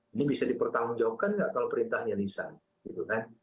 ini bisa dipertanggungjawabkan nggak kalau perintahnya lisan